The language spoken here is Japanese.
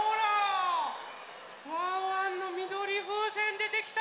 ワンワンのみどりふうせんでてきた。